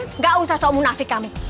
tidak usah soal munafik kamu